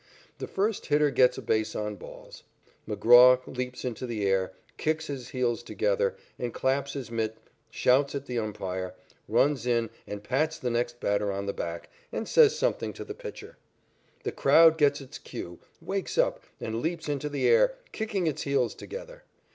The first hitter gets a base on balls. McGraw leaps into the air, kicks his heels together, claps his mitt, shouts at the umpire, runs in and pats the next batter on the back, and says something to the pitcher. The crowd gets it cue, wakes up and leaps into the air, kicking its heels together.